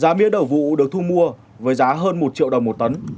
giá mía đầu vụ được thu mua với giá hơn một triệu đồng một tấn